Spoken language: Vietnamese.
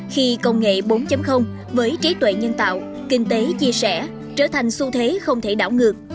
khi công nghệ bốn với trí tuệ nhân tạo kinh tế chia sẻ trở thành xu thế không thể đảo ngược